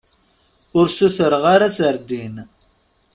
Ur sutreɣ ara serdin.